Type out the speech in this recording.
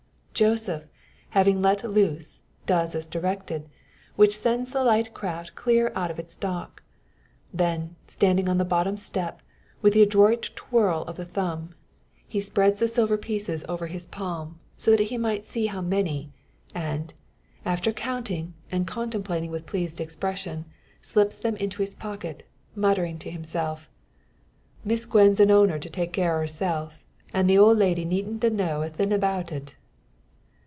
Joseph, having let all loose, does as directed; which sends the light craft clear out of its dock. Then, standing on the bottom step, with an adroit twirl of the thumb, he spreads the silver pieces over his palm so that he may see how many and, after counting and contemplating with pleased expression, slips them into his pocket, muttering to himself "I dar say it'll be all right. Miss Gwen's a oner to take care o' herself; an' the old lady neen't a know any thin' about it."